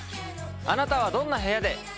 あなたはどんな部屋で。